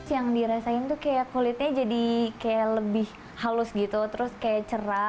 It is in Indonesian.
yang dirasain tuh kayak kulitnya jadi kayak lebih halus gitu terus kayak cerah